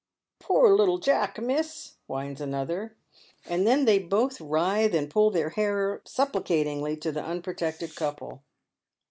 "Poor little Jack, miss," whines another; and then they both writhe and pull their hair supplicatingly to the unprotected couple.